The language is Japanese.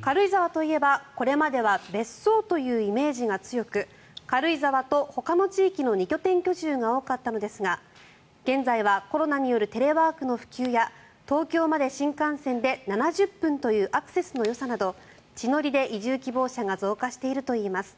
軽井沢といえばこれまでは別荘というイメージが強く軽井沢とほかの地域の２拠点居住が多かったのですが現在はコロナによるテレワークの普及や東京まで新幹線で７０分というアクセスのよさなど地の利で移住希望者が増加しているといいます。